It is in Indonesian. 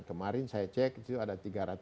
kemarin saya cek itu ada tiga ratus